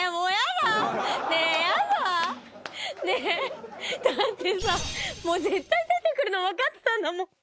だってさ、もう絶対出てくるの分かってたんだもん。